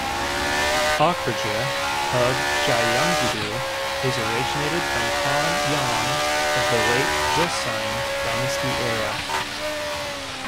Okroju of Gyeonggi-do is originated from Hanyang of the late Joseon Dynasty era.